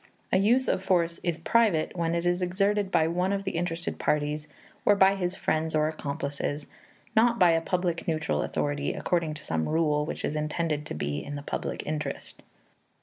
A use of force is private when it is exerted by one of the interested parties, or by his friends or accomplices, not by a public neutral authority according to some rule which is intended to be in the public interest.